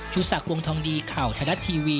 ชุดศักดิ์วงทองดีข่าวไทยรัฐทีวี